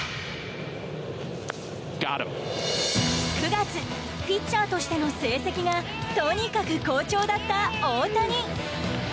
９月、ピッチャーとしての成績がとにかく好調だった大谷。